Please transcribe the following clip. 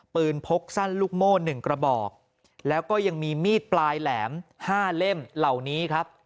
พกสั้นลูกโม่๑กระบอกแล้วก็ยังมีมีดปลายแหลม๕เล่มเหล่านี้ครับ